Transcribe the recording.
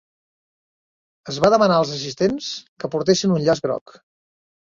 Es va demanar als assistents que portessin un llaç groc.